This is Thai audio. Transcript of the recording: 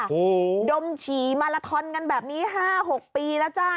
โอ้โหดมฉี่มาลาทอนกันแบบนี้๕๖ปีแล้วจ้า